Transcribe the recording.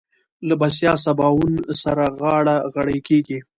له بسيا سباوون سره غاړه غړۍ کېږي.